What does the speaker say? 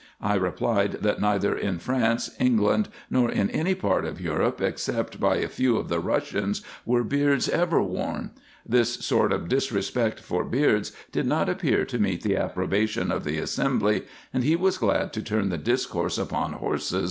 I replied, that neither in France, England, nor 288 RESEARCHES AND OPERATIONS in any part of Europe, except by a few of the Russians, were beards ever worn. This sort of disrespect for beards did not appear to meet the approbation of the assembly, and he was glad to turn the discourse upon horses, &c.